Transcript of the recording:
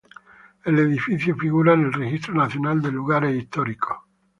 El edificio figura en el Registro Nacional de Lugares Históricos.